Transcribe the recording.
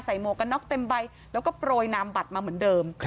หมวกกันน็อกเต็มใบแล้วก็โปรยนามบัตรมาเหมือนเดิม